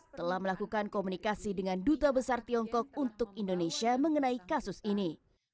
telah melakukan komunikasi dengan duta besar tiongkok untuk indonesia mengenai kasus ini